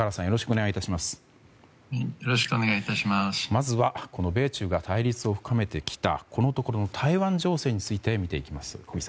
まずは、米中が対立を深めてきたこのところの台湾情勢について見ていきます。